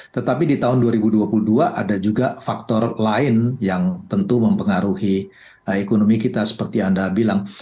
tetapi di tahun dua ribu dua puluh dua ada juga faktor lain yang tentu mempengaruhi ekonomi kita seperti anda bilang